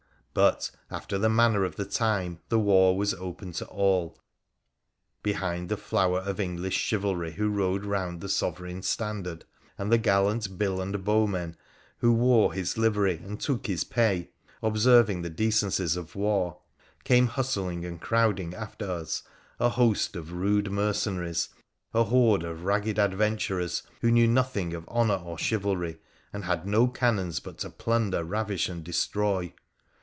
But, after the manner of the time, the war was open to all : behind the flower of English chivalry who rode round the Sovereign's standard, and the gallant bill and bow men who wore his livery and took his pay, observing the decencies of war, came hustling and crowding after us a host of rude mer cenaries, a horde of ragged adventurers, who knew nothing of honour or chivalry, and had no canons but to plunder, ravish, and destroy.